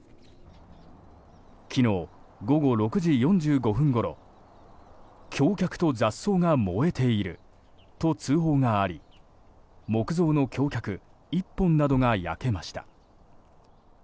昨日午後６時４５分ごろ橋脚と雑草が燃えていると通報があり、木造の橋脚１本などが焼けました。